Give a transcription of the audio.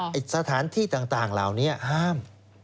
แถวว่าสถานที่ต่างเหล่านี้ห้าม